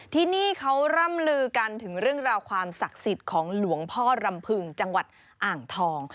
ที่นี่เขาร่ำลือกันถึงเรื่องราวความศักดิ์สิทธิ์ของหลวงพ่อรำพึงจังหวัดอ่างทอง